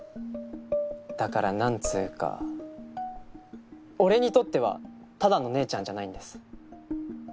だから何つうか俺にとってはただの姉ちゃんじゃないんです。